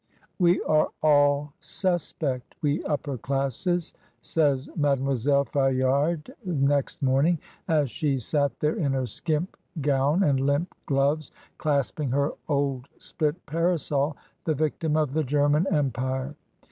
217 "We are all suspect, we upper dasses," says Mademoiselle Fayard next morning, as she sat there in her skimp gown and limp gloves, clasping her old split parasol; the victim of the German Empire.